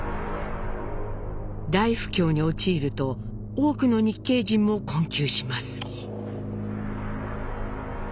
大不況に陥ると多くの日系人も困窮します。